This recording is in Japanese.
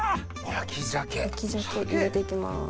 焼き鮭入れて行きます。